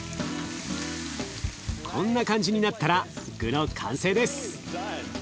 こんな感じになったら具の完成です。